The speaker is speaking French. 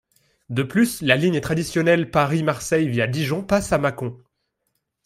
De plus, la ligne traditionnelle Paris - Marseille via Dijon passe à Mâcon.